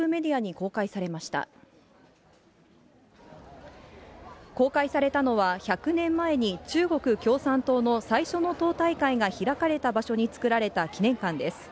公開されたのは、１００年前に中国共産党の最初の党大会が開かれた場所に作られた記念館です。